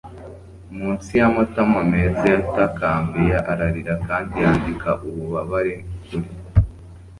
munsi y'amatama meza. yatakambiye, ararira kandi yandika ububabare kuri